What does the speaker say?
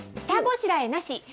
下ごしらえなし！